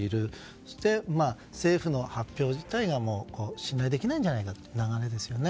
そして、政府の発表自体が信頼できないんじゃないかという流れですよね。